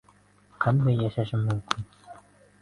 Qanday yashashim mumkin?